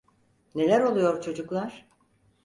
Neler oluyor çocuklar?